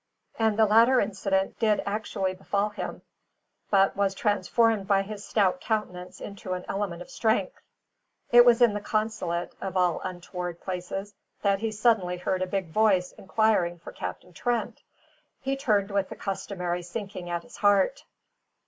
And the latter incident did actually befall him, but was transformed by his stout countenance into an element of strength. It was in the consulate (of all untoward places) that he suddenly heard a big voice inquiring for Captain Trent. He turned with the customary sinking at his heart.